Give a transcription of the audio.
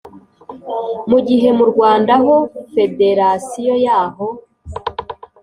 mu gihe mu Rwanda ho federasiyo yaho